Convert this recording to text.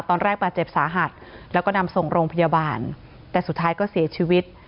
ตอนแรกบาดเจ็บสาหัสแล้วก็นำส่งโรงพยาบาลแต่สุดท้ายก็เสียชีวิต